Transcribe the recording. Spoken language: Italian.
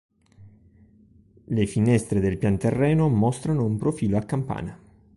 Le finestre del pianterreno mostrano un profilo a campana.